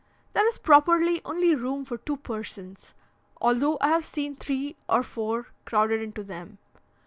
There is properly only room for two persons, although I have seen three or four crowded into them.